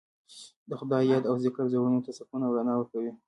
د خدای یاد او ذکر زړونو ته سکون او رڼا ورکوي.